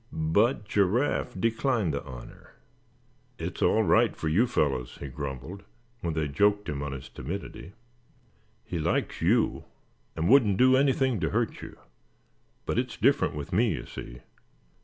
But Giraffe declined the honor. "It's all right for you fellows," he grumbled, when they joked him on his timidity; "he likes you, and wouldn't do anything to hurt you; but it's different with me, you see.